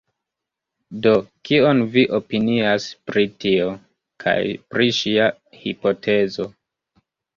Do, kion vi opinias pri tio? kaj pri ŝia hipotezo?